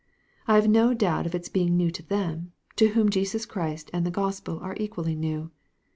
I have no doubt of its being new to them, to whom Jesus Christ and the Gospel are equally new.